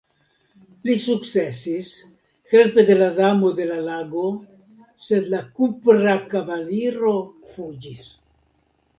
Li sukcesis, helpe de la Damo de la Lago, sed la Kupra Kavaliro fuĝis.